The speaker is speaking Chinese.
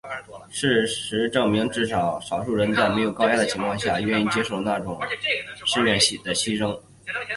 事实证明只有少数人在没有高压的情况下愿意接受那种影响深远的牺牲。